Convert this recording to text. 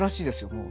もう。